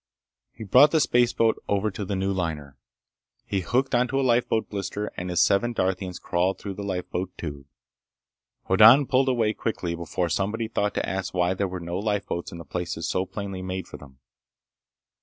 He brought the spaceboat over to the new liner. He hooked onto a lifeboat blister and his seven Darthians crawled through the lifeboat tube. Hoddan pulled away quickly before somebody thought to ask why there were no lifeboats in the places so plainly made for them.